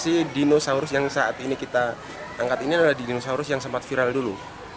karena posisi dinosaurus yang saat ini kita angkat ini adalah dinosaurus yang sempat viral dulu